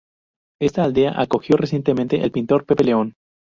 Esta aldea acogió recientemente el pintor Pepe León.